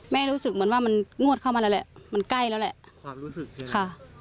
รู้สึกเหมือนว่ามันงวดเข้ามาแล้วแหละมันใกล้แล้วแหละความรู้สึกใช่ไหมค่ะ